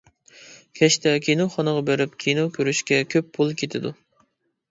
كەچتە كىنوخانىغا بېرىپ كىنو كۆرۈشكە كۆپ پۇل كېتىدۇ.